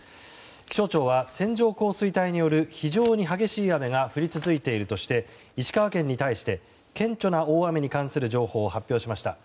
気象庁は線状降水帯による非常に激しい雨が降り続いているとして石川県に対して顕著な大雨に関する情報を発表しました。